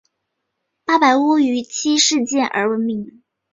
八百屋于七事件而闻名。